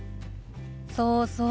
そうそう。